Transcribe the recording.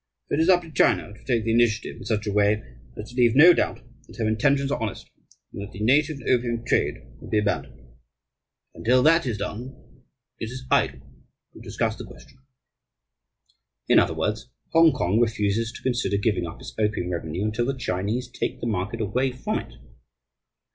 It is up to China to take the initiative in such a way as to leave no doubt that her intentions are honest and that the native opium trade will be abandoned. Until that is done, it is idle to discuss the question." In other words, Hongkong refuses to consider giving up its opium revenue until the Chinese take the market away from it.